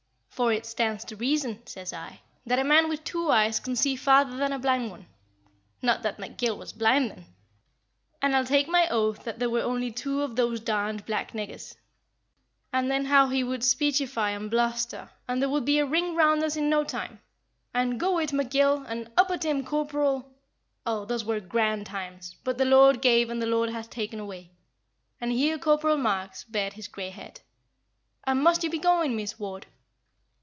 'For it stands to reason,' says I, 'that a man with two eyes can see farther than a blind one' not that McGill was blind then? 'and I'll take my oath that there were only two of those darned black niggers'; and then, how he would speechify and bluster, and there would be a ring round us in no time and 'Go it, McGill!' and 'Up at him, corporal!' Ah, those were grand times. But the Lord gave and the Lord hath taken away" and here Corporal Marks bared his grey head. "And must you be going, Miss Ward?